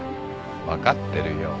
分かってるよ。